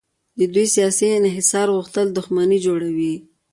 د دوی سیاسي انحصار غوښتل دښمني جوړوي.